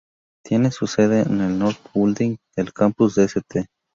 Tiene su sede en el North Building del campus de St.